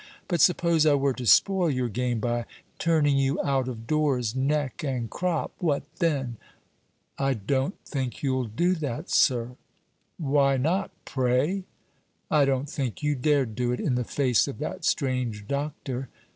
But suppose I were to spoil your game by turning you out of doors neck and crop? What then?" "I don't think you'll do that, sir." "Why not, pray?" "I don't think you dare do it, in the face of that strange doctor."